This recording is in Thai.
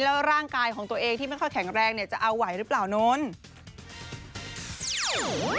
แล้วก็ร่างกายของตัวเองที่ไม่ค่อยแข็งแรงจะเอาไหวรึเปล่านนท์